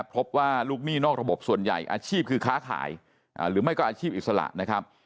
พบว่าลูกหนี้นอกระบบส่วนใหญ่อาชีพคือค้าขายหรือไม่ก็อาชีพอิสระนะครับ